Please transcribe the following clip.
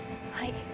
はい。